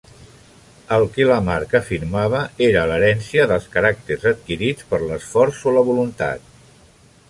El que Lamarck afirmava era que l'herència dels caràcters adquirits per l'esforç o la voluntat.